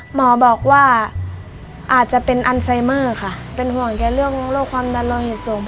หมอบอกว่าอาจจะเป็นอันไซเมอร์ค่ะเป็นห่วงแกเรื่องโรคความดันโลหิตสูง